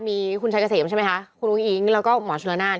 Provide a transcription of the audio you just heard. มีคุณชัยกระเสมใช่ไหมฮะคุณวุ้งอิงแล้วก็หมอชุระนาท